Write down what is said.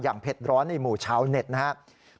เผ็ดร้อนในหมู่ชาวเน็ตนะครับ